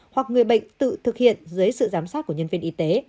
hoặc người bệnh tự thực hiện dưới sự giám sát của nhân viên y tế